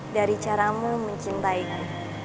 dari caramu mencintaiku